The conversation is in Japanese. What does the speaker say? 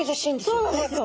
そうなんですよ。